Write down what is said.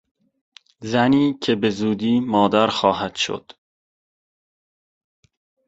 زنی که به زودی مادر خواهد شد